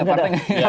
enggak ada partai